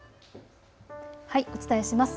お伝えします。